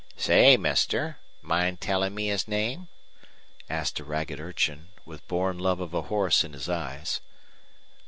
"Say mister, mind tellin' me his name?" asked a ragged urchin, with born love of a horse in his eyes.